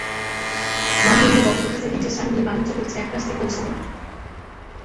রমরমিয়ে box অফিসে হিটের সারি নিয়ে বাণিজ্য করেছে একরাশ সিক্যুয়েল ছবি।